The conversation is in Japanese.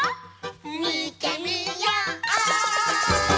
みてみよう！